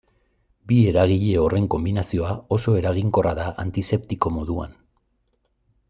Bi eragile horren konbinazioa oso eraginkorra da antiseptiko moduan.